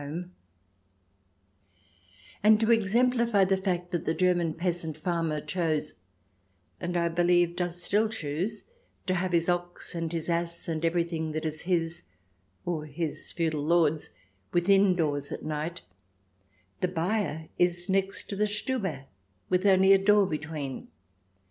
xix] CELLE 261 And to exemplify the fact that the German peasant farmer chose, and I believe does still choose, to have his ox and his ass and everything that is his or his feudal lord's within doors at night, the byre is next to the Stube, with only a door between.